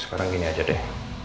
sekarang gini aja deh